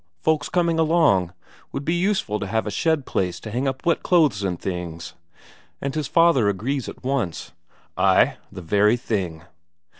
Folks coming along, 'd be useful to have a shed place to hang up wet clothes and things." And his father agrees at once: "Ay, the very thing."